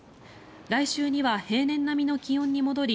来週には平年並みの気温に戻り